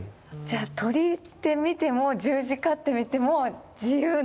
じゃあ鳥って見ても十字架って見ても自由なんですね。